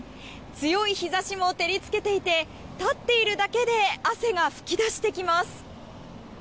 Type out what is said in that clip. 強い日差しも照り付けていて立っているだけで汗が噴き出してきます。